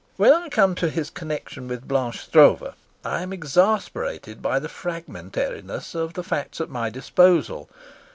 When I come to his connection with Blanche Stroeve I am exasperated by the fragmentariness of the facts at my disposal.